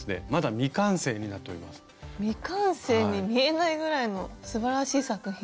未完成に見えないぐらいのすばらしい作品。